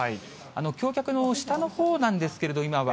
橋脚の下のほうなんですけれども、今は。